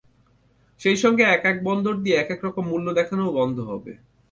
সেই সঙ্গে একেক বন্দর দিয়ে একেক রকম মূল্য দেখানোও বন্ধ হবে।